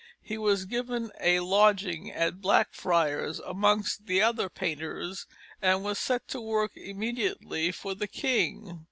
He was given a lodging at Blackfriars amongst the other painters, and was set to work immediately for the king.